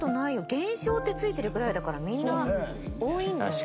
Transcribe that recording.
「現象」って付いてるくらいだからみんな多いんだよね。